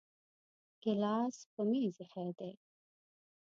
ګلاس په میز ایښی دی